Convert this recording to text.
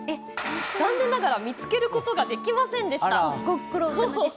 残念ながら見つけることができませんでした。